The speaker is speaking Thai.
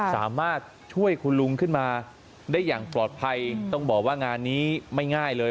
สามารถช่วยคุณลุงขึ้นมาได้อย่างปลอดภัยต้องบอกว่างานนี้ไม่ง่ายเลย